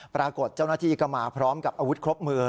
ปรากฏเจ้าหน้าที่ก็มาพร้อมกับอาวุธครบมือ